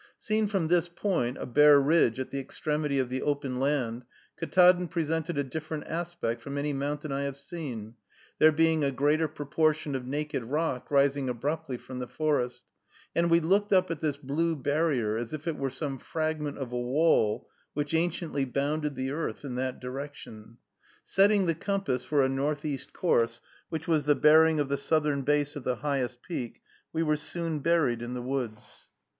Seen from this point, a bare ridge at the extremity of the open land, Ktaadn presented a different aspect from any mountain I have seen, there being a greater proportion of naked rock rising abruptly from the forest; and we looked up at this blue barrier as if it were some fragment of a wall which anciently bounded the earth in that direction. Setting the compass for a northeast course, which was the bearing of the southern base of the highest peak, we were soon buried in the woods.